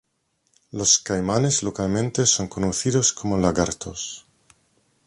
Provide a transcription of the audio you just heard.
Los caimanes localmente son conocidos como lagartos.